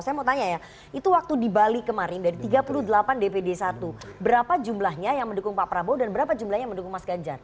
saya mau tanya ya itu waktu di bali kemarin dari tiga puluh delapan dpd satu berapa jumlahnya yang mendukung pak prabowo dan berapa jumlahnya yang mendukung mas ganjar